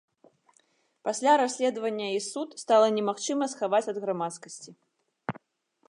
Пасля расследаванне і суд стала немагчыма схаваць ад грамадскасці.